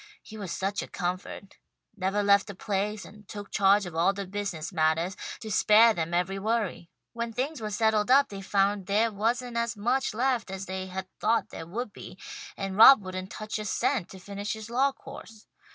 He was such a comfort. Nevah left the place, and took charge of all the business mattahs, to spare them every worry. When things were settled up they found there wasn't as much left as they had thought there would be, and Rob wouldn't touch a cent to finish his law course.